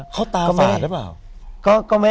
เขาตามฝากแล้วหรอก็ไม่